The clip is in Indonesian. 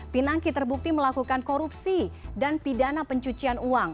pinangki terbukti melakukan korupsi dan pidana pencucian uang